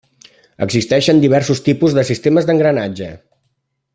Existeixen diversos tipus de sistemes d'engranatge.